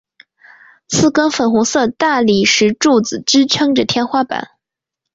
四根粉红色大理石柱子支持着天花板。